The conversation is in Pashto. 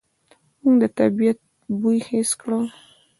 موږ د طبعیت بوی حس کړ.